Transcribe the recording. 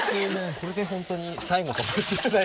これでホントに最後かもしれない。